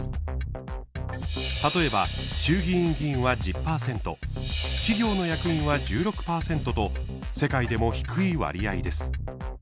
例えば、衆議院議員は１０％企業の役員は１６％と世界でも低い割合です。